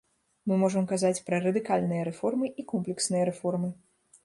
Мы можам казаць пра радыкальныя рэформы і комплексныя рэформы.